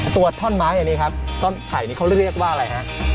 ตัวท่อนไม้อันนี้ครับท่อนไข่นี่เขาเรียกว่าอะไรฮะ